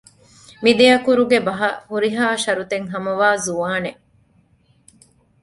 މީ އެދެއަކުރުގެ ބަހަށް ހުރިހާ ޝަރުތެއް ހަމަވާ ޒުވާނެއް